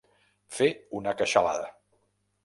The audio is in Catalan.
Fer una queixalada.